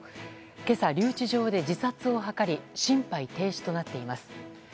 今朝、留置場で自殺を図り心肺停止となっています。